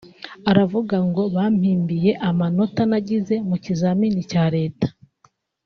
Aravuga ngo bampimbiye amanota nagize mu kizamini cya Leta